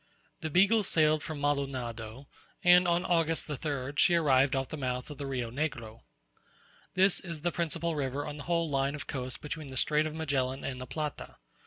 The Beagle sailed from Maldonado, and on August the 3rd she arrived off the mouth of the Rio Negro. This is the principal river on the whole line of coast between the Strait of Magellan and the Plata.